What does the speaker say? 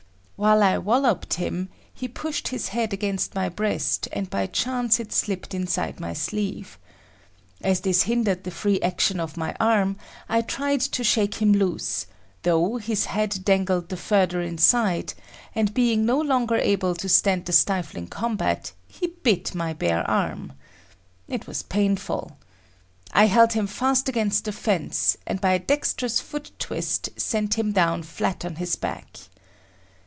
While I wallopped him, he pushed his head against my breast and by chance it slipped inside my sleeve. As this hindered the free action of my arm, I tried to shake him loose, though, his head dangled the further inside, and being no longer able to stand the stifling combat, he bit my bare arm. It was painful. I held him fast against the fence, and by a dexterous foot twist sent him down flat on his back.